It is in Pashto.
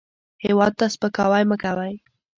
هېواد ته سپکاوی مه کوئ